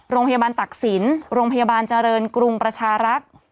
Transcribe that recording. ตักศิลป์โรงพยาบาลเจริญกรุงประชารักษ์